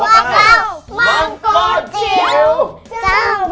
จ้าพรีม